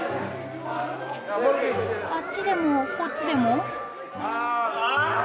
あっちでもこっちでも？